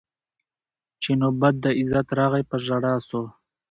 چي نوبت د عزت راغی په ژړا سو